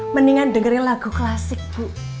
mendingan dengerin lagu klasik bu